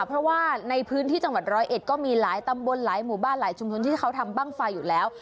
เพราะว่าในพื้นที่จังหวัดร้อยเอ็ดก็มีหลายตำบลหลายหมู่บ้านหลายชุมชนที่เขาทำบ้างไฟอยู่แล้ว